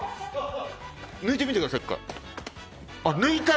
抜いてみてください、１回。